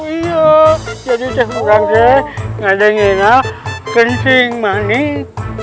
iya jadi saya kurangnya tidak mengenal keringatannya